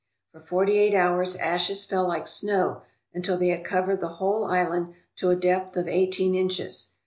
For forty eight hours ashes fell like snow until they had covered the whole island to a depth of eighteen inches.